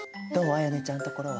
絢音ちゃんのところは？